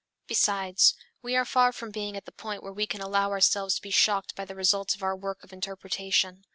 Besides, we are far from being at the point where we can allow ourselves to be shocked by the results of our work of interpretation.